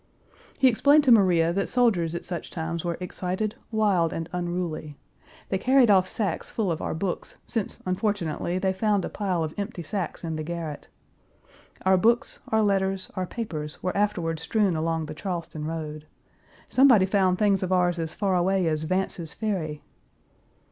He explained to Maria that soldiers at such times were excited, wild, and unruly. They carried off sacks full of our books, since unfortunately they found a pile of empty sacks in the garret. Our books, our letters, our papers were afterward strewn along the Charleston road. Somebody found things of ours as far away as Vance's Ferry.